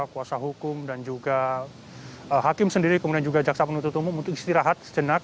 kuasa hukum dan juga hakim sendiri kemudian juga jaksa penuntut umum untuk istirahat sejenak